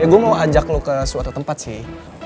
gue mau ajak lo ke suatu tempat sih